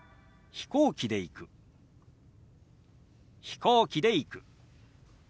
「飛行機で行く」。